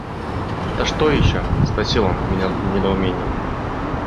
«Это что еще?» – спросил он меня с недоумением.